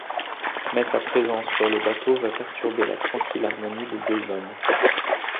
Mais sa présence sur le bateau va perturber la tranquille harmonie des deux hommes.